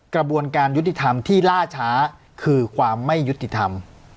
กระบวนการยุติธรรมที่ล่าช้าคือความไม่ยุติธรรม